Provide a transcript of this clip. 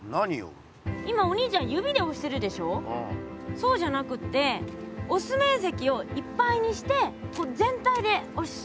そうじゃなくておすめんせきをいっぱいにして全体でおす。